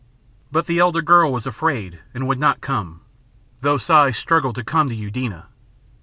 But the elder girl was afraid and would not come, though Si struggled to come to Eudena.